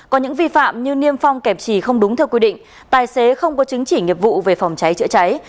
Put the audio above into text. có những vi phạm như niêm phong kẹp trì không đúng theo quy định tài xế không có chứng chỉ nghiệp vụ về phòng cháy chữa cháy